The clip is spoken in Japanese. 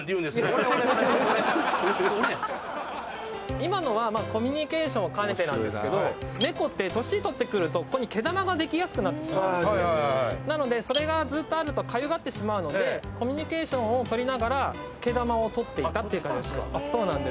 今のはコミュニケーションを兼ねてなんですけどネコって年取ってくるとここに毛玉ができやすくなってしまうんですなのでそれがずっとあるとかゆがってしまうのでコミュニケーションをとりながら毛玉を取っていたっていう感じです